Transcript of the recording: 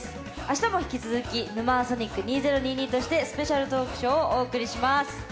あしたも引き続き「ヌマーソニック２０２２」としてスペシャルトークショーをお送りします。